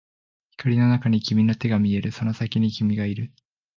光の中に君の手が見える、その先に君がいる